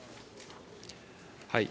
はい。